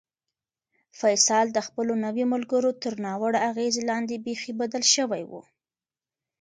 فیصل د خپلو نویو ملګرو تر ناوړه اغېز لاندې بیخي بدل شوی و.